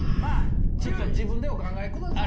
ちょっと自分でお考えください。